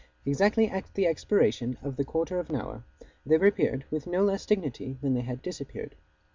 Exactly at the expiration of the quarter of an hour, they reappeared with no less dignity than they had disappeared.